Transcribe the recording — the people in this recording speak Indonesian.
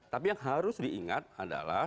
tapi yang harus diingat adalah